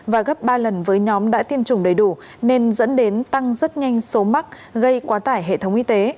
và gấp ba lần với nhóm đã tiêm chủng đầy đủ nên dẫn đến tăng rất nhanh số mắc gây quá tải hệ thống y tế